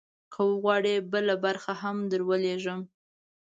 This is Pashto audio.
که وغواړې، بله برخه هم درولیږم.